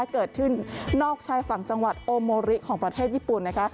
เกิดขึ้นนอกชายฝั่งจังหวัดโอโมริของประเทศญี่ปุ่น